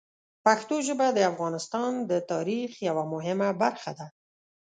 پښتو ژبه د افغانستان د تاریخ یوه مهمه برخه ده.